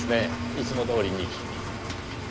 いつもどおりに。